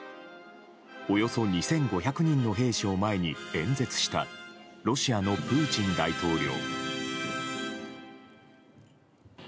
およそ２５００人の兵士を前に演説したロシアのプーチン大統領。